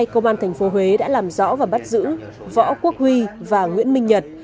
công an thành phố huế đã làm rõ và bắt giữ võ quốc huy và nguyễn minh nhật